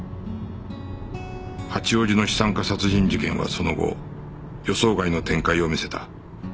八王子の資産家殺人事件はその後予想外の展開を見せた